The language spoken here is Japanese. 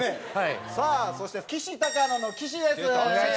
さあそしてきしたかのの岸です。